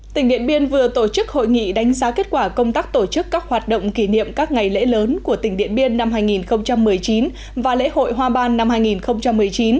tỉnh điện biên vừa tổ chức hội nghị đánh giá kết quả công tác tổ chức các hoạt động kỷ niệm các ngày lễ lớn của tỉnh điện biên năm hai nghìn một mươi chín và lễ hội hoa ban năm hai nghìn một mươi chín